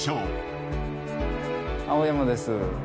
青山です。